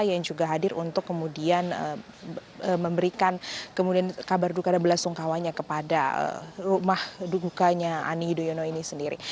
yang juga hadir untuk kemudian memberikan kemudian kabar duka dan belasungkawanya kepada rumah dukanya ani yudhoyono ini sendiri